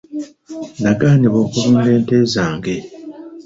Nagaanibwa okulunda ente zange.